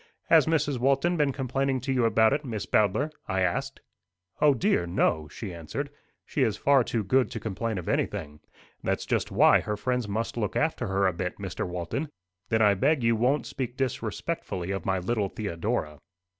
"Has Mrs. Walton been complaining to you about it, Miss Bowdler?" I asked. "O dear, no!" she answered. "She is far too good to complain of anything. That's just why her friends must look after her a bit, Mr. Walton." "Then I beg you won't speak disrespectfully of my little Theodora."